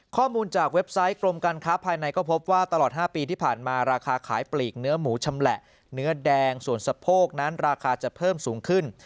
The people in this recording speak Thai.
ข้อมูลจากเว็บไซต์กรมการค้าภายในก็พบว่าตลอด๕ปีที่ผ่านมาราคาขายปลีกเนื้อหมูชำแหละเนื้อแดงส่วนสะโพกนั้นราคาจะเพิ่มสูงขึ้น